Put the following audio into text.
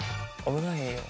危ないよ。